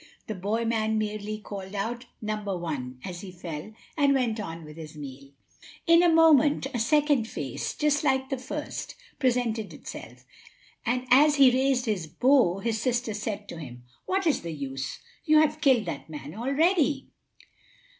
The boy man merely called out, "Number one," as he fell, and went on with his meal. In a moment a second face, just like the first, presented itself; and as he raised his bow, his sister said to him: "What is the use? You have killed that man already."